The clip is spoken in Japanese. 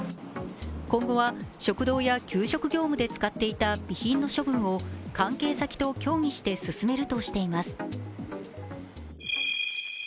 今後は食堂や給食業務で使ってた備品の処分を関係先と協議して進めるとしています。